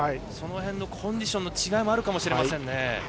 その辺のコンディションの違いもあるかもしれません。